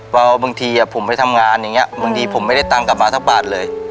ว่าบางทีผมไม่ได้ทำงานอย่างเงี้ยบางทีผมไม่ได้ตังค์กลับมาเท่าบาทเลย